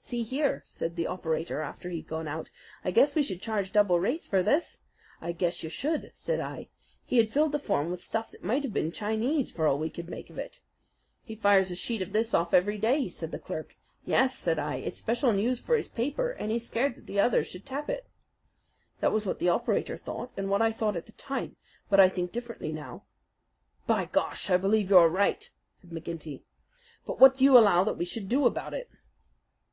"'See here,' said the operator after he'd gone out, 'I guess we should charge double rates for this.' 'I guess you should,' said I. He had filled the form with stuff that might have been Chinese, for all we could make of it. 'He fires a sheet of this off every day,' said the clerk. 'Yes,' said I; 'it's special news for his paper, and he's scared that the others should tap it.' That was what the operator thought and what I thought at the time; but I think differently now." "By Gar! I believe you are right," said McGinty. "But what do you allow that we should do about it?"